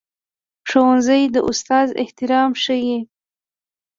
ښوونځی د استاد احترام ښيي